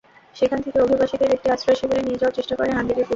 সেখান থেকে অভিবাসীদের একটি আশ্রয়শিবিরে নিয়ে যাওয়ার চেষ্টা করে হাঙ্গেরির পুলিশ।